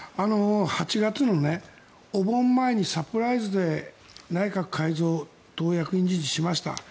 ８月のお盆前にサプライズで内閣改造党役員人事しました。